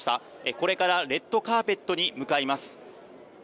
これからレッドカーペットに向かいます。